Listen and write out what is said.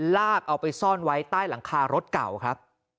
ลากเอาไปซ่อนไว้ใต้หลังคารถเก่าครับ